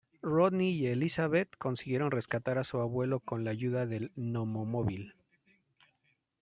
Rodney y Elisabeth consiguieron rescatar a su abuelo con la ayuda del "Gnomo-móvil".